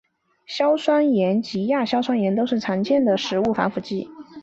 硝酸盐及亚硝酸盐都是常见的食物防腐剂。